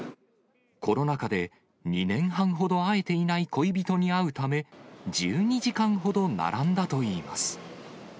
コロナ禍で２年半ほど会えていない恋人に会うため、１２時間ほど並んだといいます。